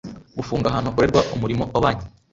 gufunga ahantu hakorerwa umurimo wa banki